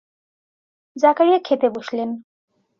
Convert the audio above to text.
জাকারিয়া খেতে বসলেন।